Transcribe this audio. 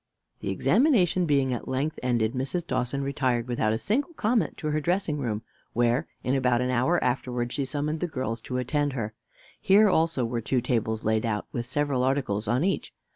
The examination being at length ended, Mrs. Dawson retired, without a single comment, to her dressing room; where, in about an hour afterwards, she summoned the girls to attend her. Here also were two tables laid out, with several articles on each.